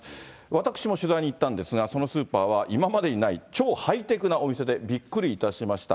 私も取材に行ったんですが、そのスーパーは、今までにない超ハイテクなお店でびっくりいたしました。